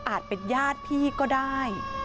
เป็นญาติพี่ก็ได้